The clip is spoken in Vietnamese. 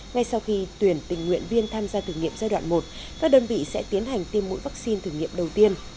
ngay sau khi tuyển tình nguyện viên tham gia thử nghiệm giai đoạn một các đơn vị sẽ tiến hành tiêm mũi vaccine thử nghiệm đầu tiên